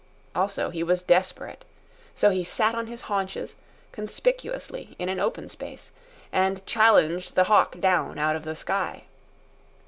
Also, he was desperate. So he sat on his haunches, conspicuously in an open space, and challenged the hawk down out of the sky.